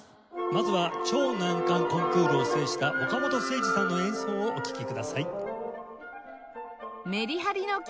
まずは超難関コンクールを制した岡本誠司さんの演奏をお聴きください。